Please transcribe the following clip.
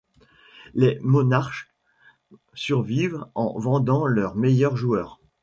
Les Monarchs survivent en vendant leurs meilleurs joueurs.